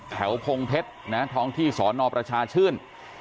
พงเพชรท้องที่สอนอประชาชื่น